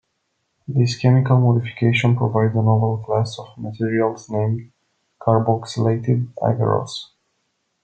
This chemical modification provides a novel class of materials named carboxylated agarose.